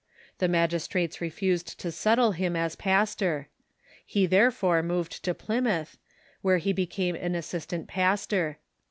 The magistrates refused to settle him as pastor. He therefore moved to Plymouth, where he became an assist ant pastor.